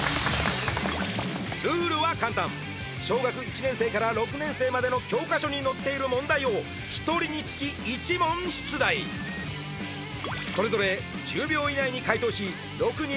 ルールは簡単小学１年生から６年生までの教科書に載っている問題を１人につき１問出題間違えたら即終了です